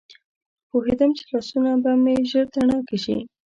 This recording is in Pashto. پوهېدم چې لاسونه به مې ژر تڼاکي شي.